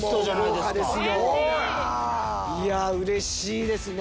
いや嬉しいですね